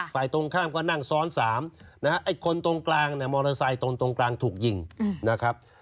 ตรงข้ามก็นั่งซ้อน๓นะฮะไอ้คนตรงกลางเนี่ยมอเตอร์ไซค์ตรงกลางถูกยิงนะครับ